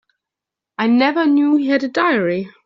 I never knew he had a diary.